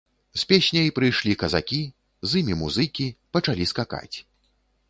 З песняй прыйшлі казакі, з імі музыкі, пачалі скакаць.